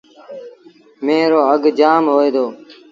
ميݩهن رو اگھ جآم هوئي دو۔